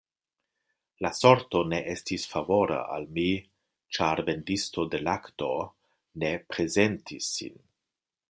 La sorto ne estis favora al mi, ĉar vendisto de lakto ne prezentis sin.